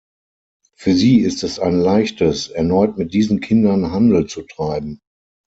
Für sie ist es ein Leichtes, erneut mit diesen Kindern Handel zu treiben.